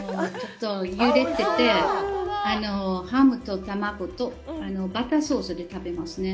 ゆでて、ハムと卵とバターソースで食べますね。